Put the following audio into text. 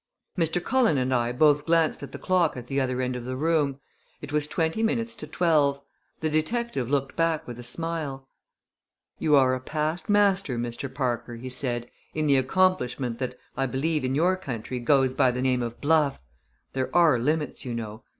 Mr. Cullen and I both glanced at the clock at the other end of the room. It was twenty minutes to twelve. The detective looked back with a smile. "You are a past master, Mr. Parker," he said, "in the accomplishment that, I believe, in your country goes by the name of bluff; but there are limits, you know.